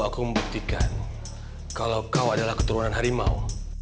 aku mau buktikan kalau kau adalah keturunan harimau